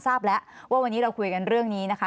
ทราบแล้วว่าวันนี้เราคุยกันเรื่องนี้นะคะ